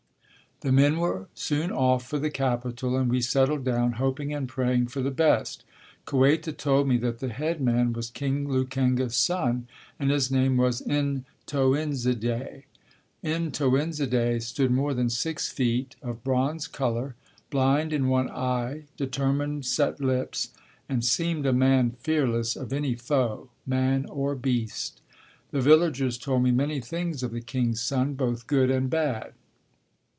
The men were soon off for the capital and we settled down, hoping and praying for the best. Kueta told me that the head man was King Lukenga's son and his name was N'Toinzide. N'Toinzide stood more than six feet, of bronze color, blind in one eye, determined set lips, and seemed a man fearless of any foe man or beast. The villagers told me many things of the king's son, both good and bad.